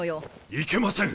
いけません！